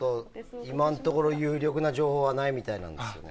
今のところ有力な情報はないみたいなんですよね。